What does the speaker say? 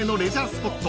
スポット